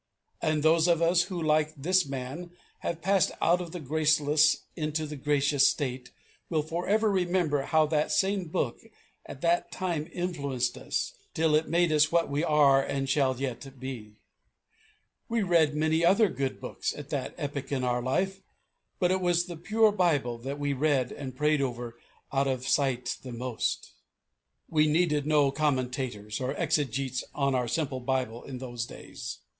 And those of us who, like this man, have passed out of a graceless into a gracious state will for ever remember how that same Book at that time influenced us till it made us what we are and shall yet be. We read many other good books at that epoch in our life, but it was the pure Bible that we read and prayed over out of sight the most. We needed no commentators or exegetes on our simple Bible in those days.